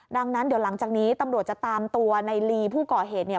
ดังนั้นเดี๋ยวหลังจากนี้ตำรวจจะตามตัวในลีผู้ก่อเหตุเนี่ย